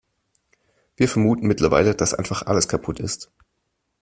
Wir vermuten mittlerweile, dass einfach alles kaputt ist.